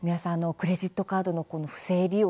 クレジットカードの不正利用